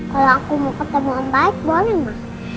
kalau aku mau ketemu om baik boleh ma